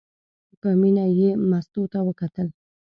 په مینه یې مستو ته وکتل.